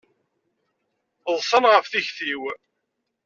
Ḍsan ɣef tikti-w.